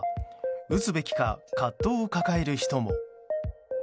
打つべきか葛藤を抱える人も。